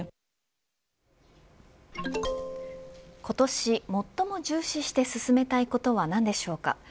今年最も重視して進めたいことは何でしょうか。